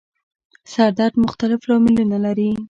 سر درد مختلف لاملونه لري